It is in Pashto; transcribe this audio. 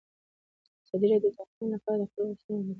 ازادي راډیو د اقلیم لپاره د خلکو غوښتنې وړاندې کړي.